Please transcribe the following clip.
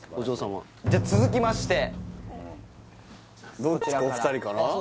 じゃあ続きましてお二人から？